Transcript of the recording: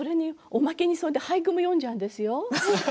おまけに俳句も詠んじゃうんですよ。